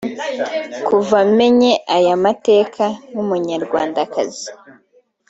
Kuva menye aya mateka nk’Umunyarwandakazi